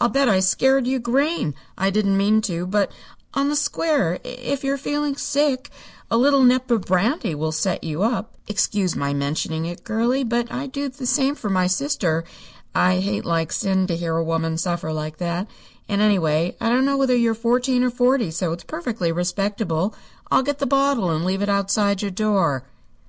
"I'll bet I scared you green. I didn't mean to, but, on the square, if you're feeling sick, a little nip of brandy will set you up. Excuse my mentioning it, girlie, but I'd do the same for my sister. I hate like sin to hear a woman suffer like that, and, anyway, I don't know whether you're fourteen or forty, so it's perfectly respectable. I'll get the bottle and leave it outside your door."